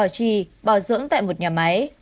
chi bảo dưỡng tại một nhà máy